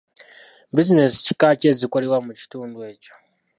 Bizinensi kika ki ezikolebwa mu kitundu ekyo?